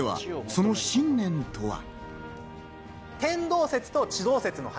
その信念とは？